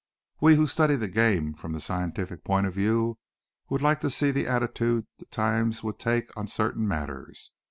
We who study the game from the scientific point of view would like to see the attitude the Times would take on certain matters.